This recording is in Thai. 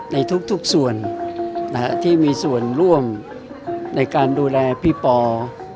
ในทุกส่วนที่มีส่วนร่วมในการดูแลพี่ปอ